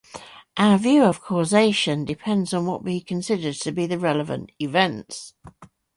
Our view of causation depends on what we consider to be the relevant events.